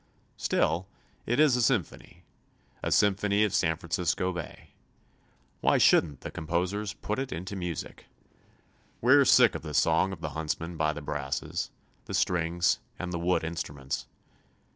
Still it is a symphony. A symphony of San Francisco Bay. Why shouldn't the composers put it into music. We're sick of the song of the huntsman by the brasses, the strings and the wood instruments.